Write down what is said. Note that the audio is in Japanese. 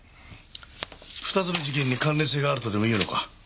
２つの事件に関連性があるとでもいうのか？